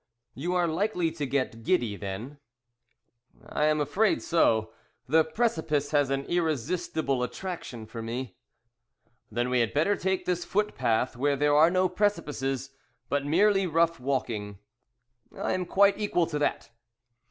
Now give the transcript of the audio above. "You are likely to get giddy, then." "I am afraid so. The precipice has an irresistible attraction for me." "Then we had better take this foot path where there are no precipices, but merely rough walking." "I am quite equal to that."